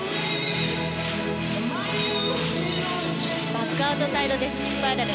バックアウトサイドデススパイラル。